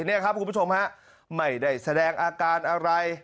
นี่ครับคุณผู้ชมฮะไม่ได้แสดงอาการอะไร